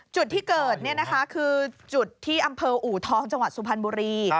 จุดที่เกิดคือจุดที่อำเภออูทองจังหวัดสุพรรณบุรี